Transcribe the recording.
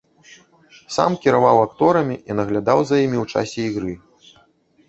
Сам кіраваў акторамі і наглядаў за імі ў часе ігры.